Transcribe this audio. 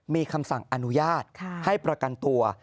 มีคำสั่งอนุญาตให้ประกันตัว